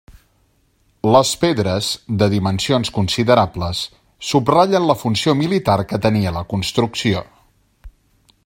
Les pedres, de dimensions considerables, subratllen la funció militar que tenia la construcció.